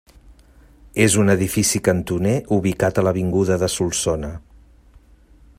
És un edifici cantoner ubicat a l'avinguda de Solsona.